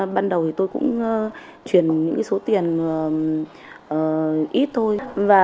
ban đầu tôi cũng chuyển số tiền ít thôi